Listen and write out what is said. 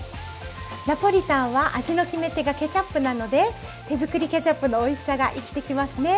ナポリタンは味の決め手がケチャップなので手作りケチャップのおいしさが生きてきますね。